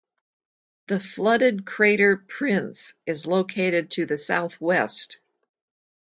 The flooded crater Prinz is located to the southwest.